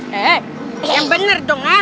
hehehe yang bener dong ah